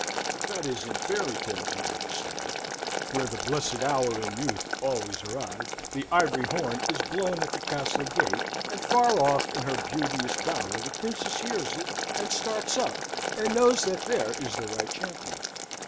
That is in fairy tales, you understand where the blessed hour and youth always arrive, the ivory horn is blown at the castle gate; and far off in her beauteous bower the princess hears it, and starts up, and knows that there is the right champion.